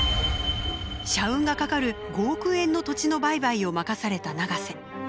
社運がかかる５億円の土地の売買を任された永瀬。